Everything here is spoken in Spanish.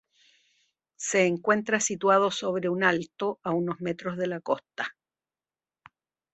Se encuentra situado sobre un alto, a unos metros de la costa.